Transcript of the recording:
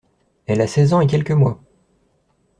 Elle a seize ans et quelques mois!